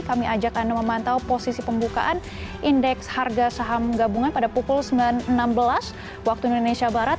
kami ajak anda memantau posisi pembukaan indeks harga saham gabungan pada pukul sembilan enam belas waktu indonesia barat